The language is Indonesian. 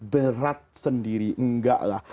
berat sendiri enggaklah